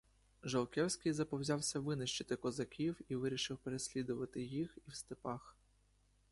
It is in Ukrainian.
Жолкевський заповзявся винищити козаків і вирішив переслідувати їх і в степах.